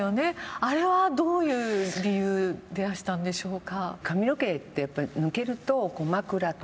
あれはどういう理由でいらしたんでしょうか？